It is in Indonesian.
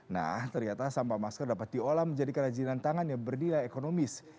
nah ternyata sampah masker dapat diolah menjadikan rajinan tangan yang berdilai ekonomis